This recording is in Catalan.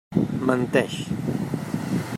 Menteix.